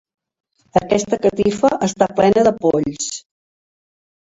Aquesta catifa està plena de polls.